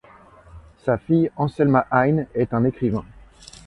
Sa fille Anselma Heine est un écrivain.